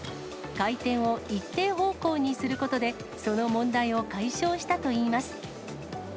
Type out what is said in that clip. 回転を一定方向にすることで、その問題を解消したといいます。